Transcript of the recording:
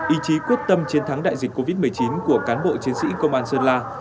ý chí quyết tâm chiến thắng đại dịch covid một mươi chín của cán bộ chiến sĩ công an sơn la